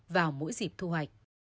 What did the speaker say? vào mỗi dịp thu hoạch